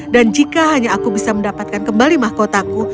dan jika hanya aku bisa mendapatkan kembali mahkotaku